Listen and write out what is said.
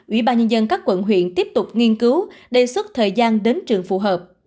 ubnd các quận huyện tiếp tục nghiên cứu đề xuất thời gian đến trường phù hợp